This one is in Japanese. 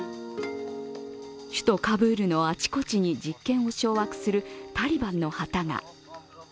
首都カブールのあちこちに実権を掌握するタリバンの旗が。